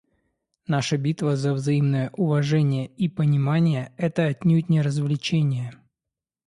Наша битва за взаимное уважение и понимание — это отнюдь не развлечение.